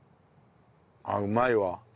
あっうまいわ。